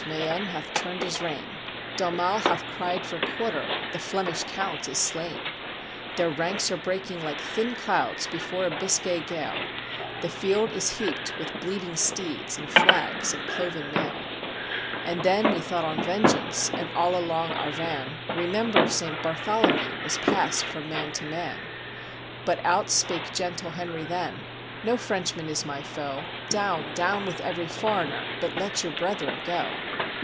Mayenne hath turned his rein, D'Aumale hath cried for quarter — the Flemish Count is slain. Their ranks are breaking like thin clouds before a Biscay gale; The field is heaped with bleeding steeds, and flags, and cloven mail; 239 FRANCE And then we thought on vengeance, and all along our van, " Remember St. Bartholomew," was passed from man to man; But out spake gentle Henry then, "No Frenchman is my foe; Down, down with every foreigner; but let your brethren go."